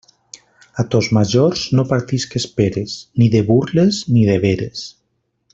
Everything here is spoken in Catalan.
A tos majors no partisques peres, ni de burles ni de veres.